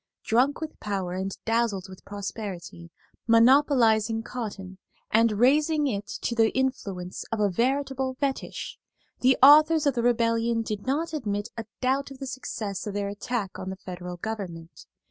Drunk with power and dazzled with prosperity, monopolizing cotton and raising it to the influence of a veritable fetich, the authors of the Rebellion did not admit a doubt of the success of their attack on the Federal government.